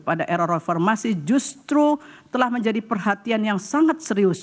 pada era reformasi justru telah menjadi perhatian yang sangat serius